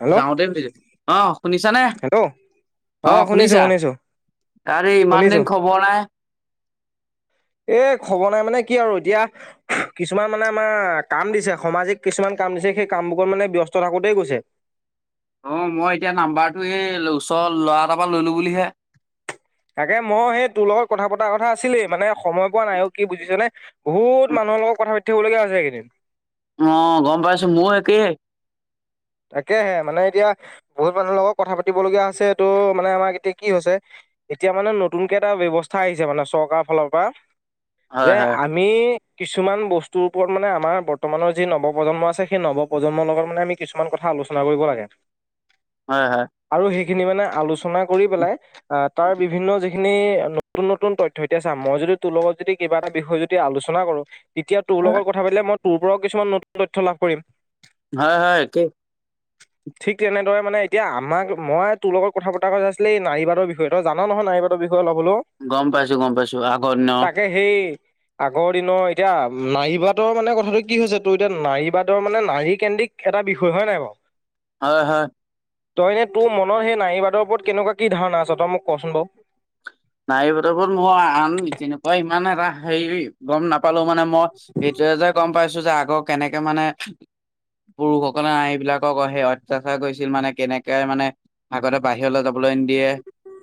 Hello যাওঁতেই সুধিছে অ, শুনিছানে? হেল্ল' অ আহ শুনিছো শুনিছা, শুনিছো গাড়ী ইমান শুনিছো দিন খবৰ নাই। এ খবৰ নাই মানে কি আৰু এতিয়া কিছুমান মানে আমাৰ কাম দিছে। সামাজিক কিছুমান কাম দিছে সেই কামবোৰ মানে ব্যস্ত থাকোতেই গৈছে। অঁ মই এতিয়া নাম্বৰটো এই ওচৰৰ ল'ৰা এটাৰ পৰা লৈলোঁ বুলিহে তাকে মই সেই তোৰ লগত কথা পতাৰ কথা আছিলেই, মানে সময় পোৱা নাইও কি বুজিছ নে বহুত মানুহ লগত কথা পাতিব লগগীয়া আছে কেইদিন অ গম পাইছো মোৰ একেই, তাকেহে মানে এতিয়া বহুত মানুহৰ লগত কথা পাতিবলগীয়া আ হৈছেটো মানে আমাৰ এতিয়া কি হৈছে এতিয়া মানে নতুনকে এটা ব্যৱস্থা আহিছে মানে চৰকাৰৰ ফালৰ পৰা। হয় যে হয় আমি কিছুমান বস্তুৰ ওপৰত মানে আমাৰ বৰ্তমানৰ যি নৱপ্ৰজন্ম আছে সেই নৱপ্ৰজন্মৰ লগত মানে আমি কিছু কিছুমান কথা আলোচনা কৰিব লাগে। হয় হয়। এইখিনি মানে আলোচনা কৰি পেলাই তাৰ বিভিন্ন যিখিনি নতুন নতুন তথ্য এতিয়া চা মই য তোৰ লগত যদি কিবা এটা বিষয় যদি আলোচনা কৰোঁ তেতিয়া তোৰ হয় লগত কথা পালে মই তোৰ পৰাও কিছুমান নতুন তথ্য লাভ কৰিম হয়, হয়, ঠিক [unintelligible] ঠিক তেনেদৰে মানে এতিয়া আমাক মই তোৰ লগত কথা পতা কাৰণ আছিলে এই নাৰীবাদৰ বিষয় তই জান নহয় নাৰীবাদৰ বিষ অলপ হলো গম পাইছো গম পাইছো আগৰ দিনৰ তাকে সেই আগৰ দিনৰ এতিয়া নাৰীবাটৰ মানে কথাটো কি হৈছে তোৰ এতিয়া নাৰী বাটৰ মানে নাৰী কেন্দ্ৰিক এটা ভুল হয় নাই বাৰু হয়- হয়- তই ননে তোৰ মনৰত সেই নাৰী বাদৰ ওপৰত কেনেকুৱা কি ধাৰণা আছ তই মোক কচোন বাৰু। নাৰীবাদকত মই আন তেনেকুৱা ইমান এটা হেৰি গম নাপা পালো মানে মই এইটোৱ যে গম পাইছো যে আগৰ কেনেকে মানে পুৰুষসকলে এইবিলাকক সেই অত্যাচাৰ কৰিছিল মানে কেনেকে মানে আগতে বাহিৰলৈ যাবলৈ দিয়ে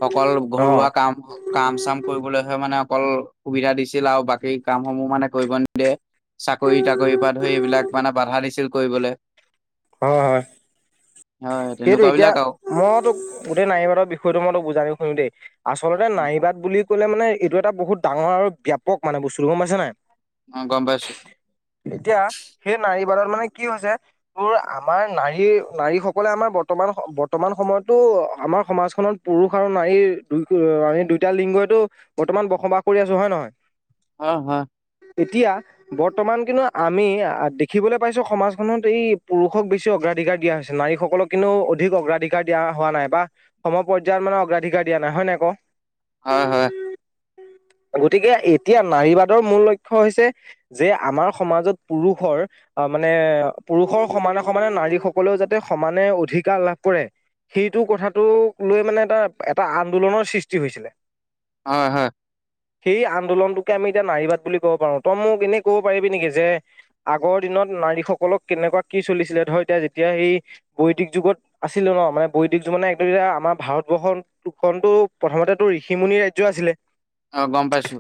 অকল অ ঘৰুৱা কাম কাম চাম কৰিবলৈহে মানে অকল সুবিধা দিছিল আৰু বাকী কামসমূহ মানে কৰিব নিদিয়ে। চাকৰি তাকৰি পাত ধৰি এইবিলাক মানে বাধা দিছিল কৰিবলৈ। হয় হয়। হয় সেইটো তেনেকুৱা এতিয়া বিলাক আৰু মই তোক গোটেই নাৰীবাদৰ বিষয়টো মই তোক বুজাই কৈছোঁ দেই আ আচলতে নাৰীবাদ বুলি ক'লে মানে এইটো এটা বহুত ডাঙৰ আৰু ব ব্যাপক মানে বস্তুটো গম পাইছে নাই। অ গম পাইছো এতিয়া সেই নাই নাৰীবাদৰ মানে কি হৈছে তোৰ আমাৰ নাৰী নাৰীস আমাৰ বৰ্ত বৰ্তমান সময়তো আমাৰ সমাজখনত পুৰুষ আৰু নাৰীৰ দুই ন এতিয়া লিংগইতো বৰ্তমান বসবাস কৰি আছোঁ হয় নে নহয়? হয় হয়। এতিয়া বৰ্তমান কিন্তু আমি দেখিবলৈ পাইছোঁ সমাজখনত এই পুৰুষক বেছি অগ্ৰ অধিকাৰ দিয়া হৈছে নাৰীসকল সকলক কিন্তু অধিক অগ্ৰাধিকাৰ দিয়া হোৱা নাই, বা সম পৰ্যায়ত মানে অগ্ৰাধিকাৰ দিয়া নাই, হয় নাই ক? হয় হয়। গতিকে এতিয়া নাৰী বাদৰ মূল লক্ষ্য হৈছে যে আমাৰ সমাজত পুৰুষৰ আহ মানে পুৰুষৰ সমানে, সমানে নাৰীসকলেও যাতে সমানে অধিকাৰ লাভ কৰে। সেইটো কথাটোক লৈ মানে এটা এটা আন্দোলনৰ সৃষ্টি হৈছিলে হয় হয়। সেই আন্দোলনটোকে আমি এতিয়া নাৰী বাদ বুলি ক'ব পাৰোঁ তই মোক এনে ক'ব পাৰিবি নেকি যে আগৰ দিনত নাৰীসকলক কেনেকুৱা কি চলিছিলে ধৰ এতিয়া যেতিয়া এই বৈদিক যুগত আছিলে ন মানে বৈদিক কিছুমানে একদ আমাৰ ভাৰতবৰ্ষতটো প্ৰথমতেটো ঋষিমুনিৰ ৰাজ্য আছিলে। অ গম পাইছোঁ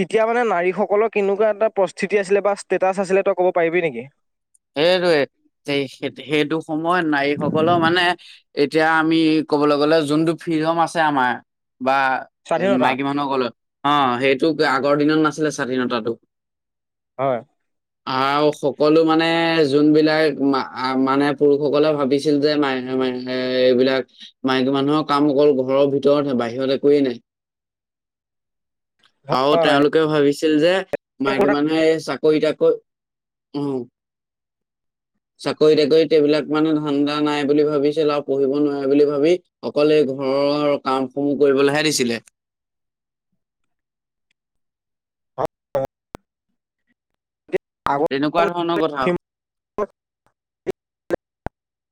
তেতিয়া মানে নাৰীসকলৰ কেনেকুৱা এটা প্ৰস্তিতি আছিলে বা ষ্টেটাচ আছিলে তই ক'ব পাৰিবি নেকি? সেইটোৱে এই সেই সেইটো সময়ত নাৰীসকলৰ মানে এতিয়া আমি ক'বলৈ গ'লে যোনটো ফ্ৰিডম আছে আমাৰ বা, স্বাধীনতা মাইকী মানুহক কলে অ সেইটোকে আগৰ দিনত নাছিলে স্বাধীনতাটো। হয়। আহ সকলো মানে মে যোনবিলাক মানে পুৰুষসকলে ভাবিছিল যে মে ম এইবিলাক মাইকী মানুহৰ কাম অকল ঘৰৰ ভিতৰতহে বাহিৰত একোৱেই নাই আৰু তেওঁলোকে ভাবিছিল যে মাইকী মানুহে এই চ কৰিটাক ক অ চাকৰি তাকৰিত এইবিলাক মানে ধান্দা নাই বুলি ভাবিছিল আৰু পঢ়িব নোৱাৰে বুলি ভাবি অকলে ঘৰৰ কামসমূহ কৰিবলৈহে দিছিলে তেনেকুৱা ধৰণৰ কথা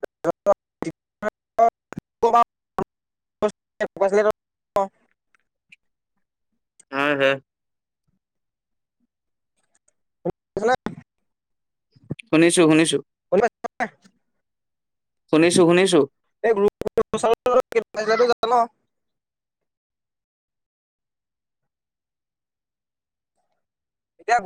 য [inaudible] [inaudible] হয় দে শুনিছ নে [unintelligible] শুনিছো শুনিছো, শুনিছো শুনিছো, সজ জাল [unintelligible] এতিয়া